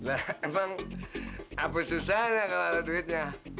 emang apa susahnya kalau ada duitnya